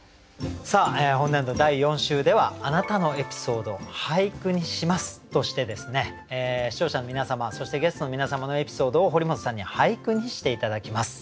本年度第４週では「あなたのエピソード、俳句にします」として視聴者の皆様そしてゲストの皆様のエピソードを堀本さんに俳句にして頂きます。